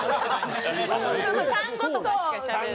単語とかしかしゃべれない。